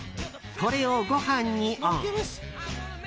これをご飯にオン。